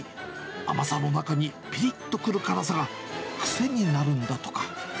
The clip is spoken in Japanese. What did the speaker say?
甘さの中にぴりっとくる辛さが癖になるんだとか。